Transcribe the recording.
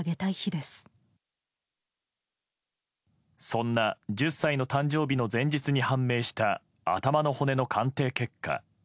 そんな１０歳の誕生日の前日に判明した頭の骨の鑑定結果。